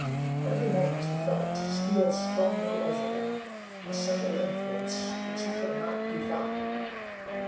Every moment he felt steal stronger over him a subtle influence which he could not define.